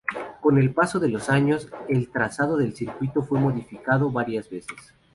Con el paso de los años, el trazado del circuito fue modificado varias veces.